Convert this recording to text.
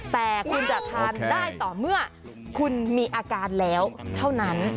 แต่คุณจะทานได้ต่อเมื่อคุณมีอาการแล้วเท่านั้น